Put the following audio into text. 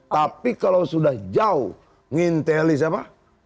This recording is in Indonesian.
tapi kalau sudah jauh nginteli siapa